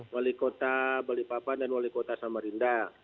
wali kota balikpapan dan wali kota samarinda